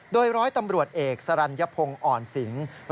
โดยร้อยตำรวจเอกสรรยพงศ์อ่อนสิง